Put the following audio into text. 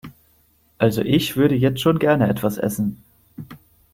Also ich würde jetzt schon gerne etwas essen.